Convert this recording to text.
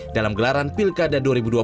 dalam gelaran pilkada dua ribu dua puluh